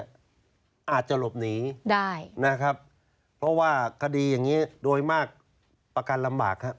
อาจจะหลบหนีได้นะครับเพราะว่าคดีอย่างนี้โดยมากประกันลำบากครับ